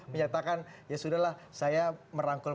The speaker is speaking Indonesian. menyatakan ya sudahlah saya merangkul